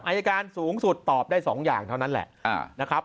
อายการสูงสุดตอบได้๒อย่างเท่านั้นแหละนะครับ